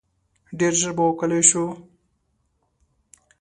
ډیر ژر به وکولای شو.